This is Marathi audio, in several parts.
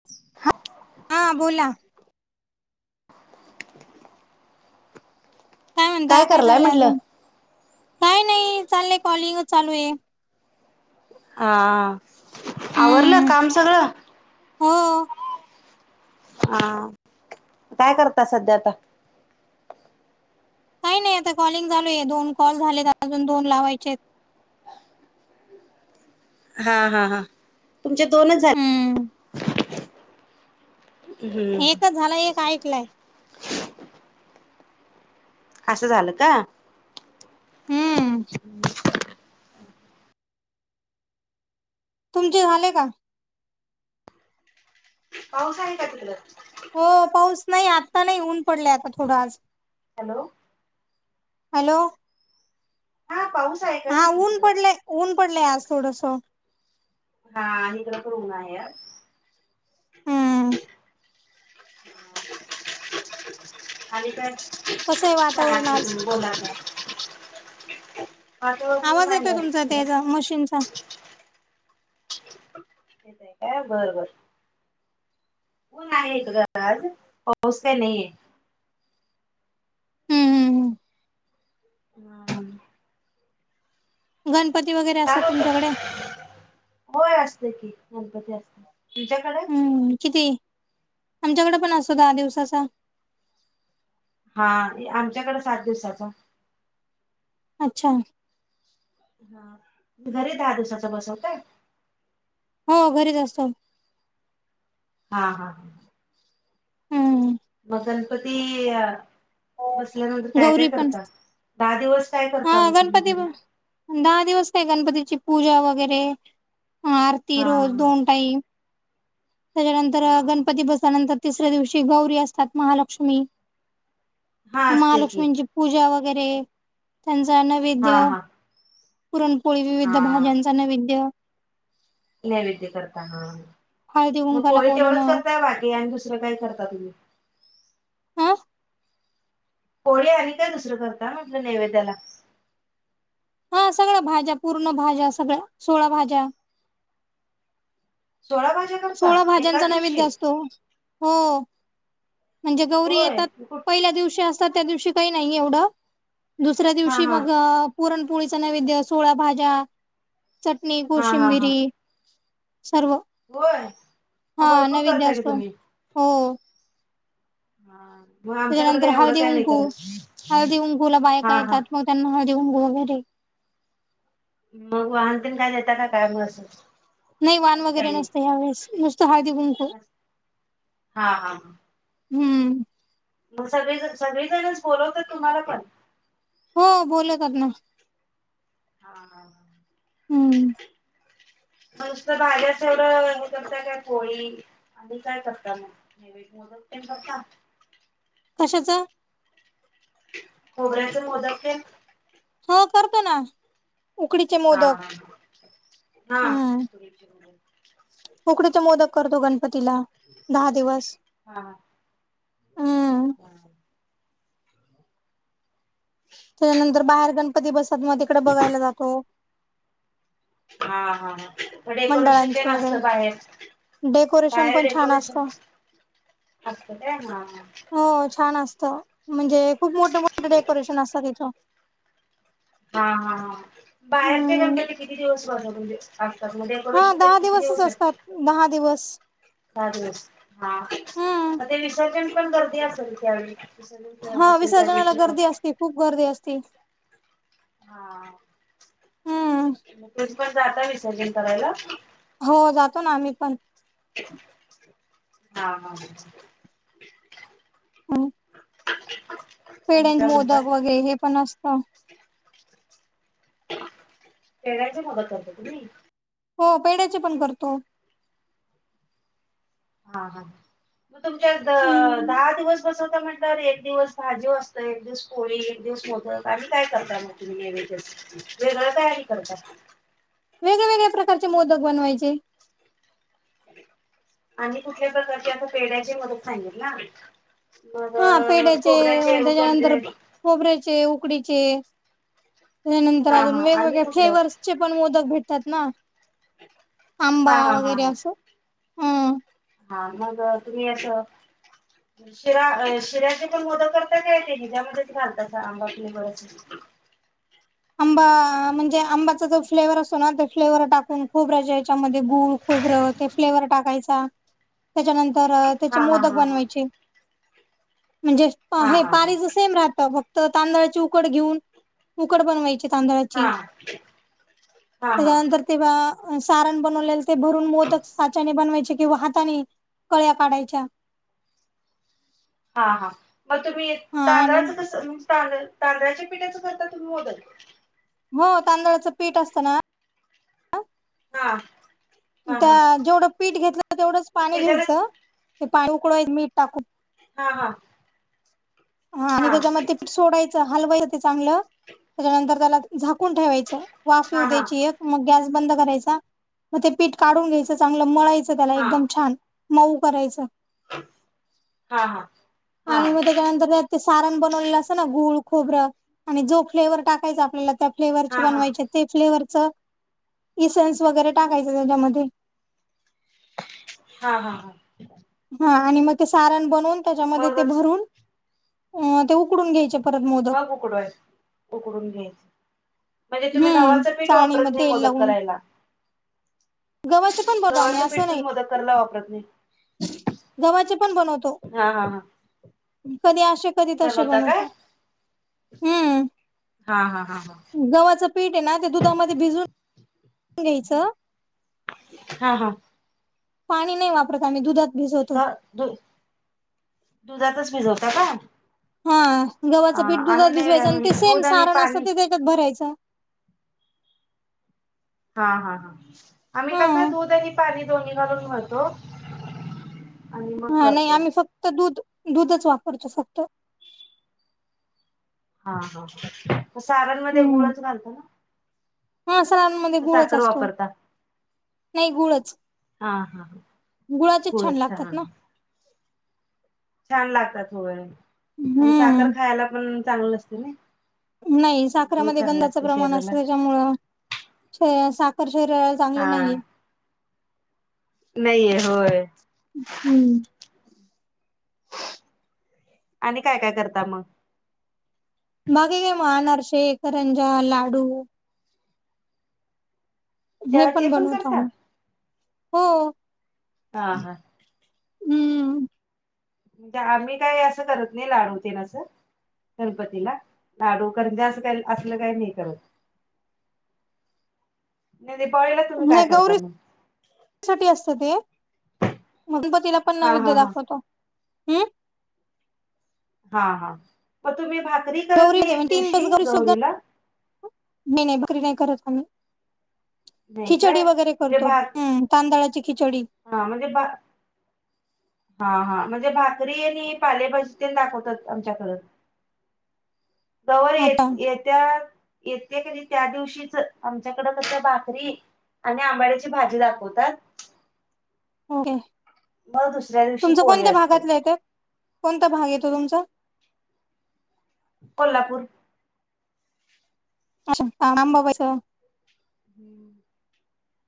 [unintelligible] हां बोला काय म्हणता काय करलाय चाललंय म्हंटलं अजून, काय नाही चाललंय कॉलिंगच चालू आहे. हा, आवरलं हम्म काम सगळं हो, हा, काय करता सध्या आता. काही नाही आता कॉलिंग चालू आहे, दोन कॉल झालेत अजून दोन लावायचेत हा हा हा तुमचे दोनच झाले. हम्म हम्म एकच झाला, एक ऐकलाय. असं झालं का? हम्म तुमचे झाले का? पाऊस आहे का तिकड. हो पाऊस नाही आत्ता नाही ऊन पडलयं आता थोडं आज हॅलो हॅलो हा पाऊस आहे का हा म्हटलं ऊन तिकडं पडलंय ऊन पडलंय आज थोडस. हा इकड पण ऊन आहे आज, हम्म, [unintelligible] खाली काय, कसं हे वातावरण आज. आवाज येतोय तुमचा [unintelligible] त्याचा मशीनचा येतयं का बरबर, ऊन आहे इकडं आज पाऊस काय नाही हे. हम्म हम्म, हम्म. [inaudible] गणपती वगैरे, असतात तुमच्याकडे चालवतयं, होय असते की गणपती असते तुमच्याकडे. किती आमच्याकडे पण असतो दहा दिवसाचा, हा आमच्याकड सात दिवसाचा. अच्छा. हां, घरी दहा दिवसाचा बसवता? हो घरीच असतो. हा हा हा... हम्म मग गणपती बसल्यानंतर काय काय गौरी पण करता? दहा दिवस काय हा करता मग गणपती तुम्ही घरी? पण दहा दिवस काय गणपतीची पूजा वगैरे अ आरती हा रोज हा दोन टाईम त्याच्यानंतर हा हा गणपती बसल्यानंतर तिसऱ्या दिवशी गौरी असतात महालक्ष्मी हा असते की महालक्ष्मींची पूजा वगैरे त्यांचा हा नैवेद्य हा पुरणपोळी, विविध हा भाज्यांचा नैवेद्य नैवेद्य करताना, हा हळदी मग कुंकाला पोळी तेवढंच बोलवणं करताय बाकी आणि दुसरं काय करता तुम्ही? हा पोळी आणि काय दुसरं करता म्हटलं नैवेद्याला? हा सगळ भाज्या, पूर्ण भाज्या सगळ्या, सोळा भाज्या. सोळा भाज्या करता सोळा एका भाज्यांचा दिवशी नैवेद्य असतो हो. म्हणजे गौरी होय येतात, कुठ पहिल्या दिवशी असतात त्या दिवशी काही नाही एवढं. दुसऱ्या हा दिवशी हा मग अ पुरणपोळीचा नैवेद्य, सोळा भाज्या. चटणी, हा हा हा कोशिंबिरी, सर्व. होय? हा मग भरपूर नवैद्य करता की असतो, तुम्ही हो. हां. म त्याच्यानंतर हळदी कुंकू,, हळदी कुंकू ला हा बायका हा येतात मग त्यांना हळदी कुंकू मग वान तेन काय देता? काय म अस नाही वान वगैरे नसतं ह्या वेळेस, नुसतं हळदी कुंकू. हां हां. हम्म. मग सगळीज, सगळीजणच बोलवतय तुम्हाला पण? हो बोलवतात ना. हां हां. हम्म नुसतं भाज्याच एवढं हे करता का पोळी? आणि काय करता मग? नैवेद्य मोदक तेन करता? कशाचं? खोबऱ्याच मोदक तेन? हो करतो ना. उकडीचे हां मोदक हां हां. हम्म उकडीचे मोदक करतो गणपतीला दहा दिवस. हा हम्म [inaudible] [inaudible] त्यानंतर बाहेर गणपती बसतात ना तिकडं बघायला जातो. हा हा हा. डेकोरेशन मंडळांचे तेन असत वगैरे बाहेर, डेकोरेशन बाहेर पण छान डेकोरेशन असतं आसत काय? हा, हा. हो छान असतं. म्हणजे खूप मोठे मोठे डेकोरेशन असतात इथं. हा हा, बाहेरचे हम्म. गणपती किती दिवस बत म्हणजे असतात, मग हा डेकोरेशन तेन दहा किती दिवसच दिवस असतात असतं? दहा दिवस. दहा दिवस हा, हम्म. म ते विसर्जन पण गर्दी असेल त्या वेळी? विसर्जन हा करत असेल विसर्जनाला गर्दी असती खूप गर्दी असती. हां. हम्म मग तुम्ही पण जाता विसर्जन करायला? हो जातो ना आम्ही पण. हा हां. आणि [inaudible] पेडे, काय म्हणताय मोदक वगैरे हे पण असतं. पेढ्याचे मोदक करता तुम्ही? हो, पेड्याचे पण करतो. हा हा, मग तुमच्या हम्म. दहा दिवस बसवता म्हण? तर एक दिवस भाजी असतं, एक दिवस पोळी, एक दिवस मोदक आणि काय करता मग तुम्ही हे? वेगळं तयारी करतंय. वेगवेगळ्या प्रकारचे मोदक बनवायचे. आणि कुठल्या प्रकारची आता पेढ्याचे मोदक खाल्लेत ना? हा मग पेढ्याचे खोबऱ्याचे पण. त्याच्यानंतर खोबऱ्याचे, उकडीचे, त्यानंतर हा अजून हा आणि वेगवेगळे कुठलं फ्लेवर्स चे पण मोदक भेटतात ना, हा आंबा हा हा वगैरे हा असं हं. हा, मग तुम्ही असं. शिरा, शिऱ्याचे पण मोदक करता काय ते, हे ज्यामध्येच घालता आंबा फ्लेवर? ब [unintelligible] आंबा म्हणजे आंब्याचा जो फ्लेवर असतो ना, ते फ्लेवर टाकून खूप राज याच्यामध्ये गूळ खोबरं. ते फ्लेवर टाकायचा. त्याच्यानंतर त्याचे हा मोदक हा बनवायचे म्हणजे हा हे हा पाणीच सेम राहतं, फक्त तांदळाची उकड घेऊन. कड बनवायचे, तांदळाची, हा हा हा हा त्याच्यानंतर तेव्हा सारण बनवलेलं ते भरून, मोदक साच्याने बनवायचे किंवा हाताने. कळ्या काढायच्या. हा हा, मग तुम्ही हा आणि तांदळाचं कसं तांद तांदळाच्या पिठाच करता तुमि मोदक? हो, तांदळाचं पीठ असतं ना हा. हा हा त्या जेवढं पीठ घेतलं तेवढंच पाणी त्याच्याला घ्यायचं, ते पाणी उकडून मीठ टाकू. हा हा. हं, आणि हा त्याच्यामध्ये पीठ सोडायचं, हलवायचं ते चांगलं, त्याच्यानंतर त्याला झा झाकून ठेवायचं, वाफ येऊ हा हा द्यायची एक. मग गॅस बंद करायचा, मग ते पीठ काढून घ्यायचं, चांगलं मळायचं त्याला हा हा एकदम छान. मऊ करायचं हा हा हा आणि मग त्याच्यानंतर. सारण बनवले असं, गूळ खोबरं आणि जो फ्लेवर टाकायचा आपल्याला फ्लेवरचे हा हा बनवायचे, ते फ्लेवरचं इसन्स वगैरे टाकायचं त्याच्यामध्ये. हा हा हा. हा, आणि मग ते सारण बनवून त्याच्यामध्ये ते मगच भरून, ते उकडून घ्यायचे. परत मोदक मग उकडवाय, उकडून घ्यायचं. म्हणजे तुम्ही हम्म गव्हाचं पीठ वापरत नाही मोदक करायला? गव्हाचं नाही पण बघा, गव्हाचं असं पीठ नाही. तुम्ही मोदक करायला वापरत नाही. गव्हाचे पण बनवतो. हा हा हा. कधी असे, कधी तसे बनवता बनवतो, काय? हम्म. हा हा हा हा. गव्हाचं पीठ हाय ना ते दुधामध्ये भिजून घ्यायचं हा हा पाणी नाय वापरत आम्ही दुधात भिजवतो पा दु दुधातच भिजवता काय? हा आ गव्हाचं पीठ आमी नाय दूध आणि पाणीच भरायचा हा हा हा आम्ही हा कस दूध आणि पाणी दोन्ही घालून मळतो आणि मग हा नई करतो. आम्ही फक्त दूध दूधच वापरतो फक्त हा हा मग सारणमध्ये हम्म गुळच घालता हा सणांमध्ये ना गुळच साखर असतो वापरता नाही गुळच हा हा गुळाचेच होय छान लागतात चहा. ना छान लागतात होय आणि साखर हम्म खायला पण चांगलं नसतय नई नाही साखरमध्ये गंधाचं प्रमाण असत त्याच्यामुळं साखर शरीरात. चांगले हा नाहीये नाईये होय. हम्म आणि काय काय करता मग बाकी काय मग आनर शेख करंज्या लाडू. हे त्या ते पण बनवतो करता आम्ही हो. हा हा हम्म म्हणजे आम्ही काय असं करत नाही लाडू तेनं असं गणपतीला लाडू कंरज्या आस का असल काही नाही करत. [unintelligible] दीपवाळीला तुम्ही काय नाही करता गौरी मग? साठी असत ते गणपतीला पण हा नैवेद्य हा हा दाखवतो. हम् हा हा मग तुम्ही भाकरी करत गौरी नाही एक तीन बस दिवशी घरी सो गौरीला नाही नाही भाकरी नाही करत आम्ही. नाही खिचडी काय वगैरे म्हणजे करतो भाक तांदळाची खिचडी हा म्हणजे बा हा हा म्हणजे भाकरी आणि पालेभजी तेनं दाखवतात आमच्याकडं [unintelligible] गवर येत आता येत्या येते की त्या दिवशीच आमच्याकडं कसं भाकरी आणि आंबाड्याची भाजी दाखवतात. ओके मग दुसऱ्या दिवशी तुमचं पोळी कोणत्या असते भागातलं येतं कोणता भाग येतो तुमचा कोल्हापूर अच्छा अंबाबाईचं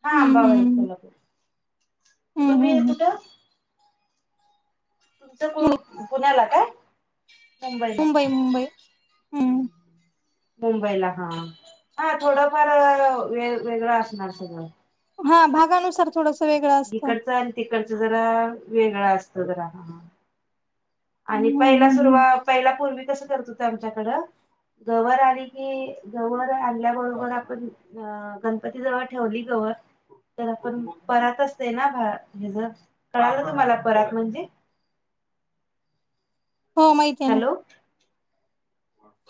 हा हम्म आंबाबाई हम्म. कोल्हापुर हम्म तुम्ही हम्म. कुठं तुमचं कुळ पुण्याला काय मुंबईला. मुंबई मुंबई मुंबई. हम्म. मुंबईला हा हा थोडंफार वे वेगळं असणार सगळं हा भागानुसार थोडंसं इकंडच आणि तिकडचं जरा वेगळं असत जरा आणि हम्म हम्म पहिला हम्म. सुरुवात पहिल्या पूर्वी कसं करत होत आमच्याकडं गवर आली की, गवर आणल्याबरोबर आपण अ, गणपती जवळ ठेवली गवर. तर आपण परात असते ना, भा-हेज कळालं तुम्हाला परात म्हणजे? हा माहित आहे ना. हॅलो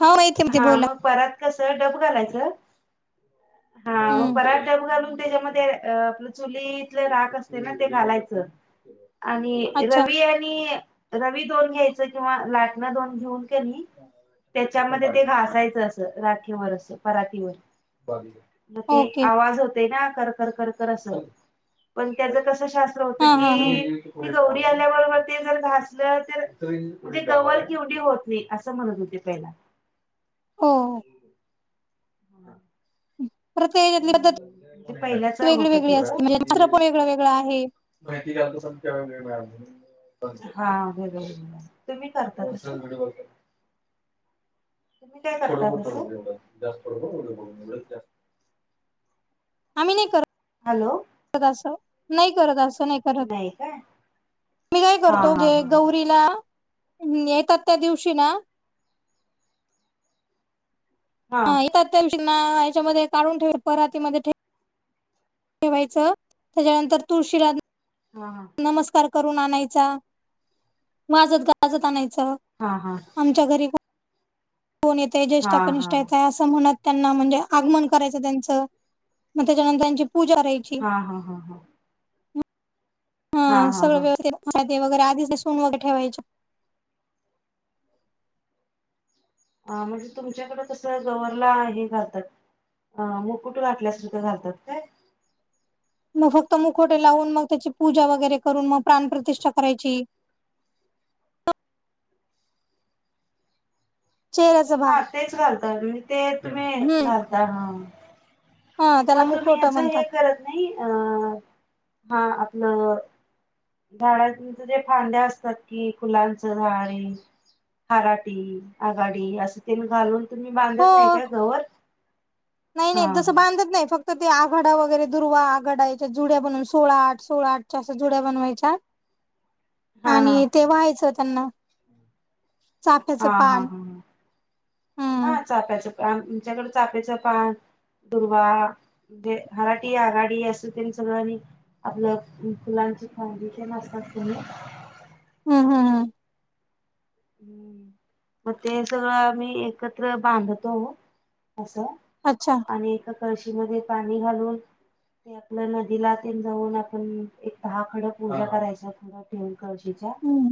हो माहिती माहिती हा, बोला. मग परात कस डब घालायचं. [unintelligible] हा व परात डब घालून त्याच्यामध्ये आपलं चुलीतलं राख असतय ते ना घालायचं. [unintelligible] आणि अच्छा. रवी आणि रवी दोन घ्यायचं किंवा लाटणं दोन घेऊन कणी त्याच्यामध्ये ते घासायचं असं राठीवर, परातीवर वर मग ते ओके. आवाज होतय ना. खर, खर, खर खर असं पण त्याच कस शास्त्र असं होतं हां, हां, हां. की, गौरी आल्या बरोबर ते जर घासलं तर ते गवर किवडी होत नाही, असं म्हणत होते पहिला. हो. [inaudible] ते पहिल्याच होत [inaudible] माहिती जादू सांग वेळ मिळाला तर. हा वेगवेगळ, तुम्ही करता तस? तुम्ही काय करतात तसं. आम्ही नाही करत. हॅलो. असं, नाही करत अस नाही. करत. नाही काय? मी काय हा करतो हा गे गौरीला, येतात त्या दिवशी ना हा येतात त्या दिवशी ना याच्यामध्ये काढून ठेवीन परातीमध्ये ठेव वायचं त्याच्यानंतर तुळशीला हा. नमस्कार करून आणायचा, वाजत -गाजत आणायच. हा, हा. फोन येतय जेष्ठा- हा कनिष्ठा हा येतास. म्हणत त्यांना म्हणजे आगमन करायच त्यांच, मग त्याच्यानंतर त्यांची पूजा करायची. हा, हा, हा, हा. मग हा सगळं हा व्यवस्थित वगैरे आधी समोर ठेवायच्या हा म्हणजे तुमच्याकड कस गवरला हे घालतात. अ, मुकुट घातल्यास तिथं घालतात काय? मग फक्त मुखोटे लावून, मग त्याची पूजा वगैरे करून मग प्राणप्रतिष्ठा करायची. चेअर. हा तेच घालतात, मग ते तुम्ही हम्म घालता. हा हा म, त्याला तुम्ही मुखवटा हेच हे म्हणतात करत नाही, अ हा आपलं झाडांच जे फांद्या असतात की, फुलांचं झाडे हराटी, आघाडी, असं तेन घालून तुम्ही हो बांधत नाही का गवर? नाही, नाही हा तसं हा बांधत नाही फक्त तर ते आघाडा वगैरे दुर्वा आघाडा याच्या जुड्या बनवून सोळा आठ, सोळा आठच्या असा जुड्या बनवायच्या. हा हा आणि ते वाहायचं त्यांना. चाफ्याचं हा, हा, पान हा, हम्म हा चाप्याचं पान, आमच्याकड चाप्याचं पान दुर्वा, ते हराठी आघाडी अस तेन सगळं आणि - आपलं फुलांची फांदी तेन असतात की नाई? हम्म. हम्म. हम्म. हं. मग ते सगळं आम्ही एकत्र बांधतो असं- अच्छा. आणि एका कळशीमधे पाणी घालून- ते आपलं नदीला तेन जाऊन, आपण एक दहा खड पूजा करायच- त्यात ठेवून कळशीच्या. हम्म